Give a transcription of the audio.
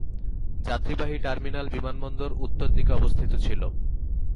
যাত্রীবাহী টার্মিনাল বিমানবন্দর উত্তর দিকে অবস্থিত ছিল।